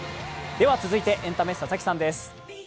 続いてエンタメ、佐々木さんです。